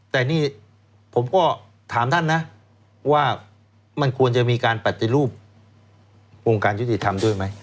แต่นี่ผมก็ถามท่านนะว่ามันควรจะมีการปฏิรูปวงการยุติธรรมด้วยไหม